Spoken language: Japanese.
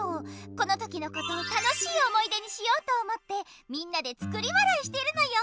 この時のことを楽しい思い出にしようと思ってみんなで作り笑いしてるのよ。